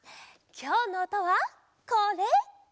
きょうのおとはこれ。